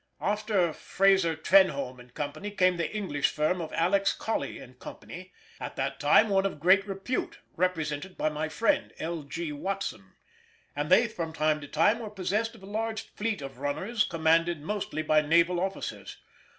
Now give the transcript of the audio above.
After Fraser, Trenholm, and Co. came the English firm of Alex. Collie and Co., at that time one of great repute, represented by my friend L. G. Watson, and they from time to time were possessed of a large fleet of runners commanded mostly by naval officers.